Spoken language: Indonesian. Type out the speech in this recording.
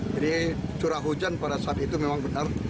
jadi curah hujan pada saat itu memang benar